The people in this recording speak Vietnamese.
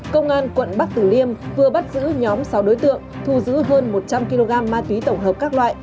công an quận bắc tử liêm vừa bắt giữ nhóm sáu đối tượng thu giữ hơn một trăm linh kg ma túy tổng hợp các loại